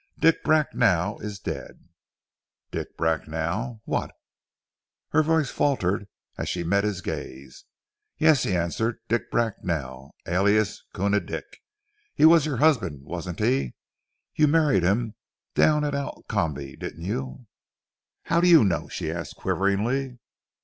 Dick Bracknell is dead." "Dick Bracknell! What " Her voice faltered as she met his gaze. "Yes," he answered. "Dick Bracknell, alias Koona Dick. He was your husband, wasn't he? You married him down at Alcombe, didn't you?" "How do you know?" she asked quiveringly.